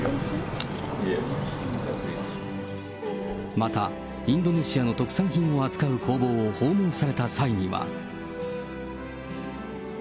また、インドネシアの特産品を扱う工房を訪問された際には。